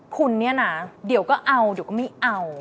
คุณเนี่ยนะเดี๋ยวก็เอาเดี๋ยวก็ไม่เอา